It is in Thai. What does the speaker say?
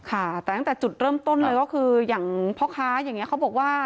ค่ะแต่ตั้งแต่จุดเริ่มต้นเลยก็คืออย่างพ่อค้าอย่างนี้เขาบอกว่า